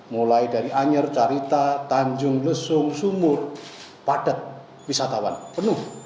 mulai dari anyer carita tanjung lesung sumur padat wisatawan penuh